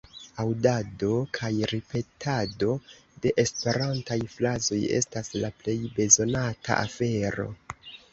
Aŭdado kaj ripetado de esperantaj frazoj estas la plej bezonata afero.